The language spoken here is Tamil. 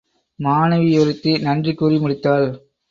மாணவியொருத்தி நன்றி கூறி முடித்தாள்.